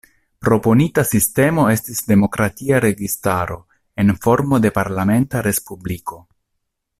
Proponita sistemo estis demokratia registaro en formo de parlamenta respubliko.